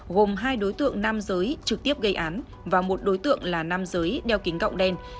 gồm hai đối tượng nam giới trực tiếp gây án và một đối tượng là nam giới đeo kính gọng đen